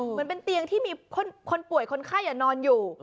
เหมือนเป็นเตียงที่มีคนป่วยคนไข้นอนอยู่